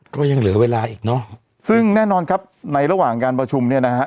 ก็ยังเหลือเวลาอีกเนอะซึ่งแน่นอนครับในระหว่างการประชุมเนี่ยนะฮะ